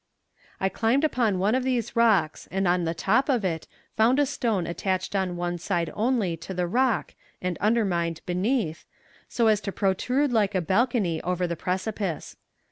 I climbed upon one of these rocks and on the top of it found a stone attached on one side only to the rock and undermined beneath, so as to protrude like a balcony over the precipice.